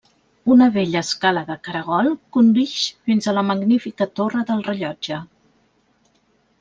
Una vella escala de caragol conduïx fins a la magnífica Torre del Rellotge.